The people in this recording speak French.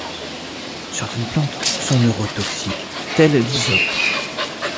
Certaines plantes sont neurotoxiques, telles l'hysope.